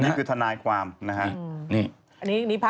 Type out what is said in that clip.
อันนี้คือธนายความนะฮะ